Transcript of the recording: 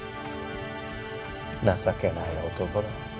情けない男だ。